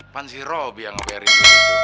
bukan si robi yang ngapain